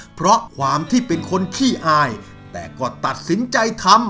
เพราะความที่เป็นคนขี้อายแต่ก็ตัดสินใจทำ